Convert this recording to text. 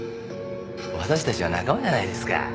私たちは仲間じゃないですか。